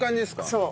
そう。